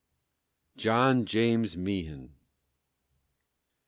JOHN JAMES MEEHAN.